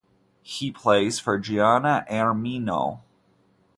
He plays for Giana Erminio.